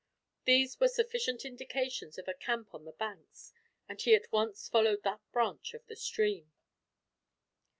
These were sufficient indications of a camp on the banks, and he at once followed that branch of the stream.